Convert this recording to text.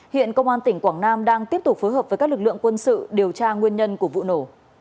hiện công an tỉnh quảng nam đang tiếp tục phối hợp với các lực lượng quân sự điều tra nguyên nhân của vụ nổ